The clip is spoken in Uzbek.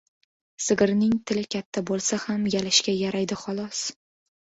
• Sigirning tili katta bo‘lsa ham, yalashga yaraydi xolos.